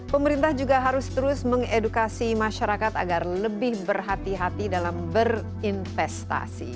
pemerintah juga harus terus mengedukasi masyarakat agar lebih berhati hati dalam berinvestasi